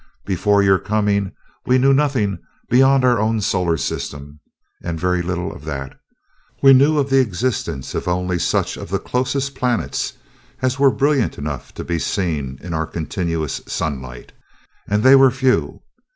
Before your coming we knew nothing beyond our own solar system, and very little of that. We knew of the existence of only such of the closest planets as were brilliant enough to be seen in our continuous sunlight, and they were few.